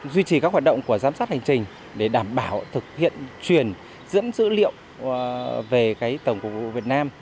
duy trì các hoạt động của giám sát hành trình để đảm bảo thực hiện truyền dẫn dữ liệu về tổng cục việt nam